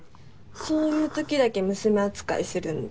そういう時だけ娘扱いするんだ。